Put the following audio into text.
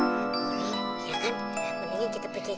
iya kan mending kita pergi